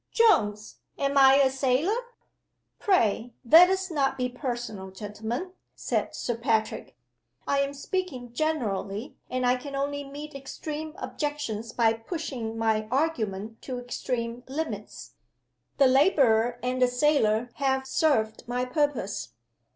"Jones! am I a sailor?" "Pray let us not be personal, gentlemen," said Sir Patrick. "I am speaking generally, and I can only meet extreme objections by pushing my argument to extreme limits. The laborer and the sailor have served my purpose.